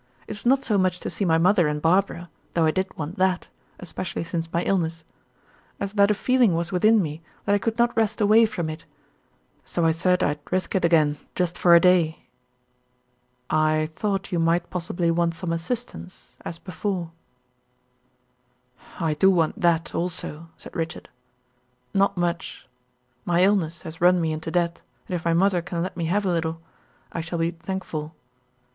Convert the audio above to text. "It was not so much to see my mother and Barbara though I did want that, especially since my illness as that a feeling was within me that I could not rest away from it. So I said I'd risk it again, just for a day." "I thought you might possibly want some assistance, as before." "I do want that, also," said Richard. "Not much. My illness has run me into debt, and if my mother can let me have a little, I shall be thankful."